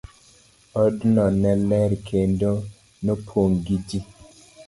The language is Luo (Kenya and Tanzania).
Odno ne ler kendo nopong' gi ji.